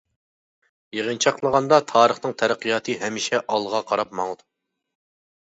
يىغىنچاقلىغاندا، تارىخنىڭ تەرەققىياتى ھەمىشە ئالغا قاراپ ماڭىدۇ.